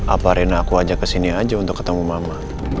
apa rena aku ajak ke sini aja untuk ketemu mama